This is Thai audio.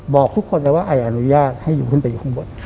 บอกทุกคนเลยว่าไออนุญาตให้อยู่ขึ้นไปอยู่ข้างบน